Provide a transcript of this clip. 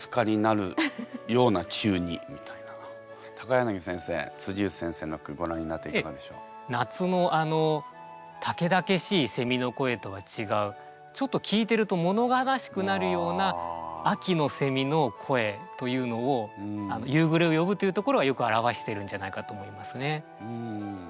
柳先生内先生の句ご覧になって夏のたけだけしいせみの声とは違うちょっと聞いてるともの悲しくなるような秋のせみの声というのを「夕暮れを呼ぶ」というところはよく表してるんじゃないかと思いますね。